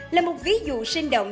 là một ví dụ sinh động